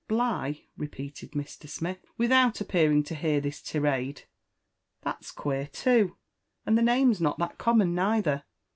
"Bligh?" repeated Mr. Smith, without appearing to hear this tirade. " That's queer too ; and the name's not that common neither.